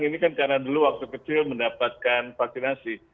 ini kan karena dulu waktu kecil mendapatkan vaksinasi